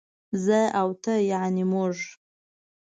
زه او ته يعنې موږ